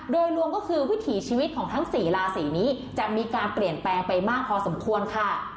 โดยรวมก็คือวิถีชีวิตของทั้ง๔ราศีนี้จะมีการเปลี่ยนแปลงไปมากพอสมควรค่ะ